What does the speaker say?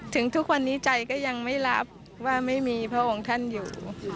ถึงทุกวันนี้ใจก็ยังไม่รับว่าไม่มีพระองค์ท่านอยู่